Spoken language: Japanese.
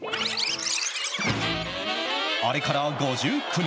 あれから５９年。